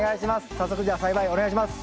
早速じゃあ栽培お願いします。